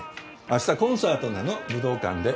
明日コンサートなの武道館で。